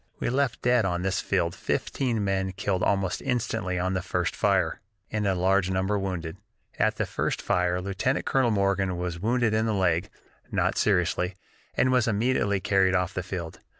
"We left dead on this field fifteen men killed almost instantly on the first fire, and a large number wounded. At the first fire Lieutenant Colonel Morgan was wounded in the leg (not seriously), and was immediately carried off the field.